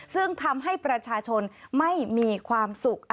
ซึ่งทำให้ประชาชนไม่มีความสุข